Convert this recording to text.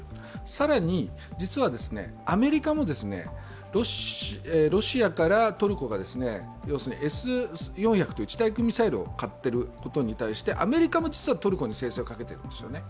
更に実は、アメリカもロシアからトルコがＳ−４００という地対空ミサイルを買っていることに対してアメリカも実はトルコに制裁をかけているんですよね。